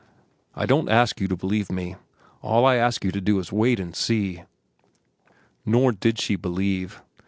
I don't ask you to believe me. All you have to do is wait and see." Nor did she believe.